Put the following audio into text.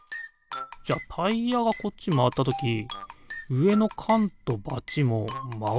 じゃタイヤがこっちまわったときうえのかんとバチもまわっちゃいそうだよね。